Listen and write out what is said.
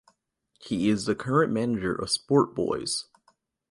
He is the current manager of Sport Boys.